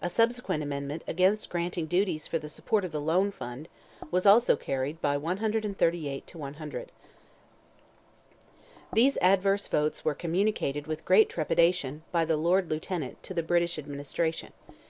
A subsequent amendment against granting duties for the support of the loan fund, was also carried by 138 to 100. These adverse votes were communicated with great trepidation, by the Lord Lieutenant, to the British administration.